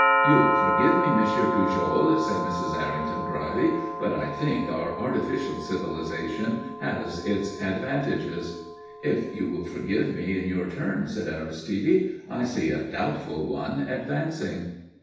"You'll forgive me, Monsieur Pujol," said Mrs. Errington dryly, "but I think our artificial civilization has its advantages." "If you will forgive me, in your turn," said Aristide, "I see a doubtful one advancing."